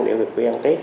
để về quê ăn tết